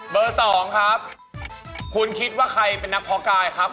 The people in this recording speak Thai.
ผมนี่แหละครับ